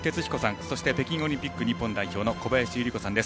そして北京オリンピック日本代表小林祐梨子さんです。